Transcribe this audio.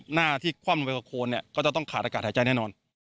หน้าที่คว่ำลงไปกับโคนเนี่ยก็จะต้องขาดอากาศหายใจแน่นอน